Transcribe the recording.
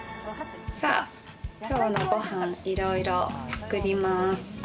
きょうのご飯、いろいろ作ります。